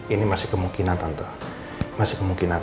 ini masih kemungkinan tentu masih kemungkinan